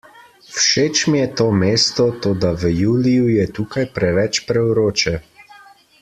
Všeč mi je to mesto, toda v juliju je tukaj preveč prevroče.